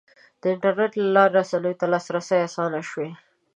د انټرنیټ له لارې رسنیو ته لاسرسی اسان شوی.